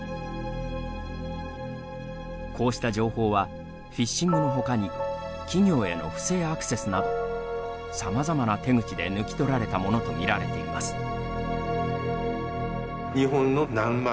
こうした情報はフィッシングのほかに企業への不正アクセスなどさまざまな手口で抜き取られたものとみられています。